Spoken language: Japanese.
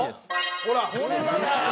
ほら！